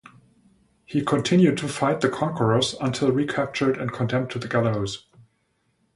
He continued to fight the conquerors until recaptured and condemned to the gallows.